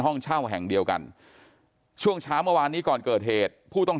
ห้องเช่าแห่งเดียวกันช่วงเช้าเมื่อวานนี้ก่อนเกิดเหตุผู้ต้อง